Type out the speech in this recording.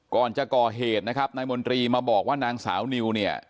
ก่อนจะก่อเหตุนะครับนายมนตรีมาบอกว่านางสาวนิวเนี่ย